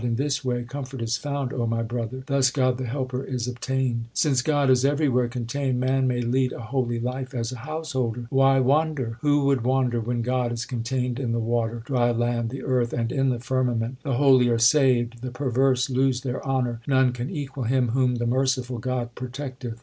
In this way comfort is found, O my brother ; Thus God the Helper is obtained. Since God is everywhere contained, man may lead a holy life as a householder : Why wander ? Who would wander When God is contained in the water, dry land, the earth, and in the firmament ? The holy are saved ; the perverse lose their honour. None can equal him Whom the merciful God protecteth.